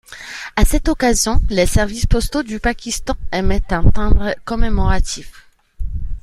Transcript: À cette occasion, les services postaux du Pakistan émettent un timbre commémoratif.